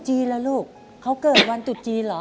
ตุ๊ดจีนแล้วลูกเขาเกิดวันตุ๊ดจีนเหรอ